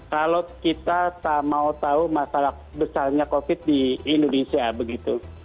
kalau kita tak mau tahu masalah besarnya covid di indonesia begitu